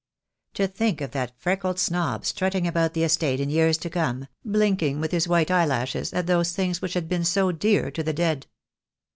To think of that freckled snob strutting about the estate in years to come, blinking with his white eyelashes at those things which had been so dear to the dead.